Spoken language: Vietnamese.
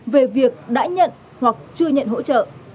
về việc đã nhận hoặc chưa nhận hỗ trợ